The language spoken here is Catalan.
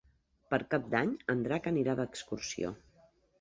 Per Cap d'Any en Drac anirà d'excursió.